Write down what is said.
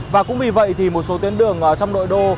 và cũng vì vậy thì một số tuyến đường trong nội đô